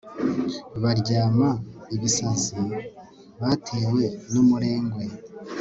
baryama ibisazi batewe n'umurengwe